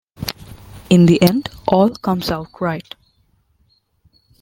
In the end, all comes out right.